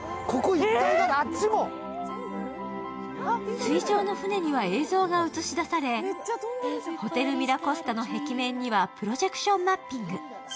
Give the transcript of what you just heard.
水上の船には映像が映し出されホテルミラコスタの壁面にはプロジェクションマッピング。